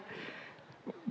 kotak pertanyaan ini